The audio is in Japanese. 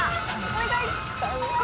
お願い！